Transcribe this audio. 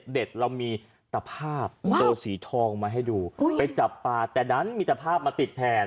เรามีตะภาพตัวสีทองมาให้ดูไปจับปลาแต่ดันมีแต่ภาพมาติดแทน